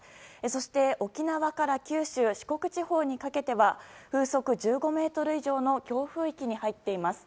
そして沖縄から九州・四国地方にかけては風速１５メートル以上の強風域に入っています。